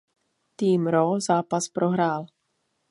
Tým Raw zápas prohrál.